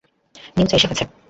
নিউচা এসে গেছে!